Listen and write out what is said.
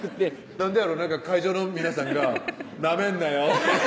なんでやろ会場の皆さんが「なめんなよ」